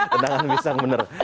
tendangan pisang bener